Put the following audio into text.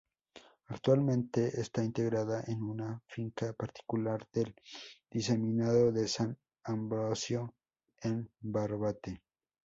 Actualmente está integrada en una finca particular del diseminado de San Ambrosio, en Barbate.